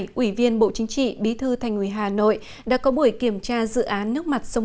ủy viên bộ chính trị bí thư thành ủy hà nội đã có buổi kiểm tra dự án nước mặt sông